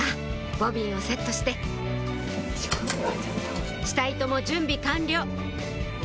ボビンをセットして下糸も準備完了